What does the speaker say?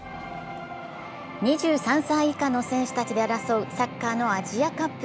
２３歳以下の選手たちで争うサッカーのアジアカップ。